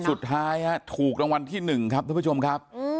สุดท้ายถูกรางวัลที่๑ครับท่านผู้ชมครับ